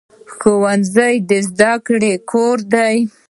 ښوونځی د زده کړې کور دی